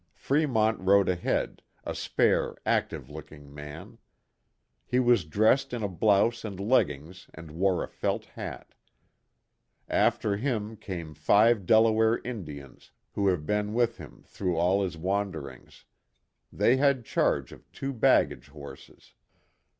... Fremont rode ahead, a spare, active looking man. ... He was dressed in a blouse and leggings and wore a felt hat. After him came KIT CARSON. 27 five Delaware Indians who have been with him through all his wanderings ; they had charge of two baggage horses.